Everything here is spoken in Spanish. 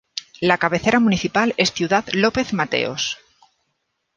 La cabecera municipal es Ciudad López Mateos.